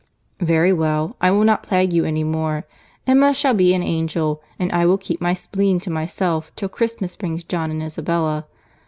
"Very well; I will not plague you any more. Emma shall be an angel, and I will keep my spleen to myself till Christmas brings John and Isabella.